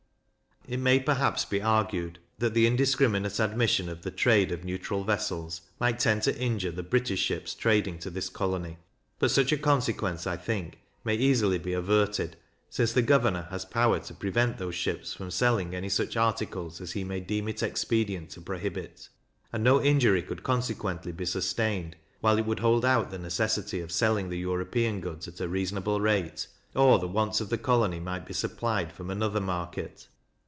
It may perhaps be argued, that the indiscriminate admission of the trade of neutral vessels might tend to injure the British ships trading to this colony; but such a consequence, I think, may easily be averted, since the governor has power to prevent those ships from selling any such articles as he may deem it expedient to prohibit; and no injury could consequently be sustained, while it would hold out the necessity of selling the European goods at a reasonable rate, or the wants of the colony might be supplied from another market.